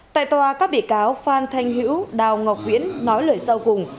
tại tòa các bị cáo phan thanh hữu đào ngọc viễn nói lời sau cùng